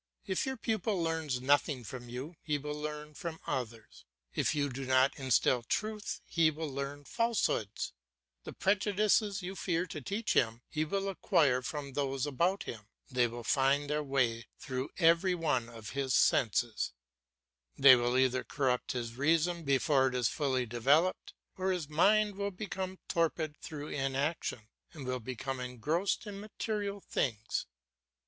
If your pupil learns nothing from you, he will learn from others. If you do not instil truth he will learn falsehoods; the prejudices you fear to teach him he will acquire from those about him, they will find their way through every one of his senses; they will either corrupt his reason before it is fully developed or his mind will become torpid through inaction, and will become engrossed in material things.